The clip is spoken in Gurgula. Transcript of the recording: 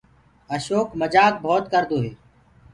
اشوڪ مجآ مجآڪ بهوت ڪردو هي۔